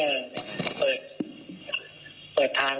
ต้องการยิงเพื่อเปิดทาง